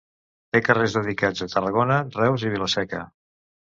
Té carrers dedicats a Tarragona, Reus i Vila-seca.